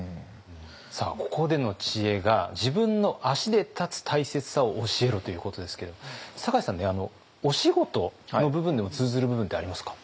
ここでの知恵が「自分の足で立つ大切さを教えろ」ということですけども酒井さんお仕事の部分でも通ずる部分ってありますか？